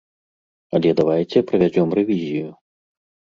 Але давайце правядзём рэвізію.